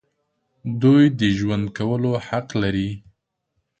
دوی د ژوند کولو حق لري.